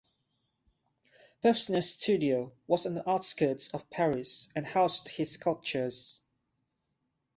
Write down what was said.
Pevsner's studio was on the outskirts of Paris and housed his sculptures.